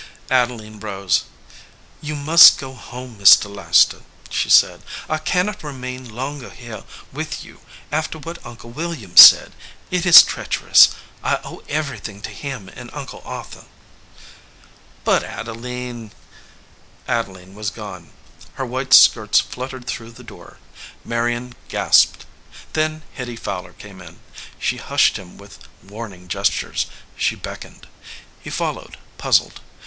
69 EDGEWATER PEOPLE Adeline rose. "You must go home, Mr. Leices ter," she said. "I cannot remain longer here with you after what Uncle William said. It is treacher ous. I owe everything to him and Uncle Arthur." "But, Adeline " Adeline was gone. Her white skirts fluttered through the door. Marion gasped. Then Hitty Fowler came in. She hushed him with warning gestures; she beckoned. He followed, puzzled.